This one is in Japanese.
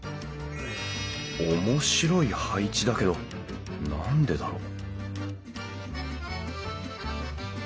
おもしろい配置だけど何でだろう？